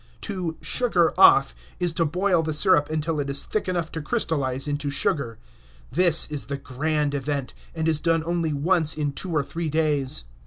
To "sugar off" is to boil the sirup until it is thick enough to crystallize into sugar. This is the grand event, and is done only once in two or three days.